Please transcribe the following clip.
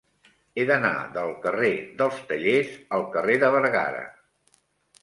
He d'anar del carrer dels Tallers al carrer de Bergara.